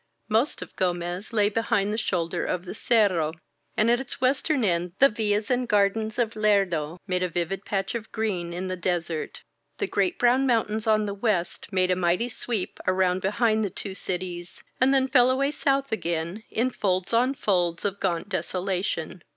Most of Gomez lay behind the shoulder of the Cerro, and at its western end the villas and gardens of Lerdo made a vivid patch of green in the desert. The great brown mountains on the west made a mighty sweep around behind the two cities, and then fell away south again in folds on folds of gaunt desolation.